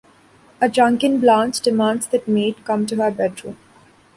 A drunken Blanche demands that Mede come to her bedroom.